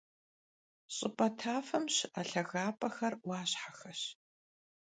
Ş'ıp'e tafem şı'e lhagap'exer — 'Uaşhexeş.